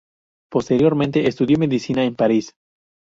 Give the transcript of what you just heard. Posteriormente estudió Medicina en París.